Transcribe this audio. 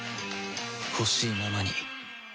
ほしいままに